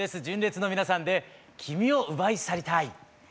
純烈の皆さんで「君を奪い去りたい」。